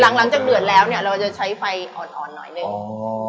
หลังหลังจากเดือดแล้วเนี้ยเราจะใช้ไฟอ่อนอ่อนหน่อยหนึ่งอ๋อ